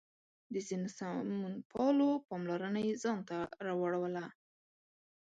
د ځینو سمونپالو پاملرنه یې ځان ته راواړوله.